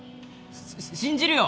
信じるよ